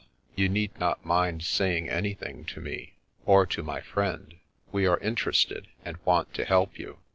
You need not mind saying any thing to me— or to my friend. We are interested and want to help you."